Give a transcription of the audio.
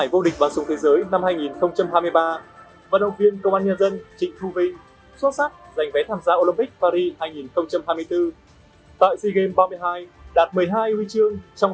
với những thành tích đạt được thể dục thể thao công an nhân dân đã vinh dự được đảng